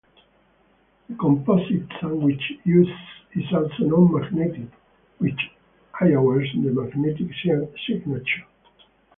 The composite sandwich used is also non-magnetic, which lowers the magnetic signature.